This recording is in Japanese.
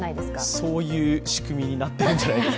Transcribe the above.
そういう仕組みになっているんじゃないですか。